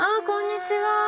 こんにちは。